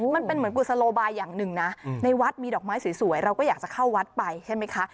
มันเป็นเหมือนกุศโลบายอย่างหนึ่งนะในวัดมีดอกไม้สวยเราก็อยากจะเข้าวัดไปใช่ไหมคะ